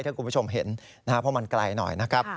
ถ้าคุณผู้ชมเห็นนะครับเพราะมันไกลหน่อยนะครับ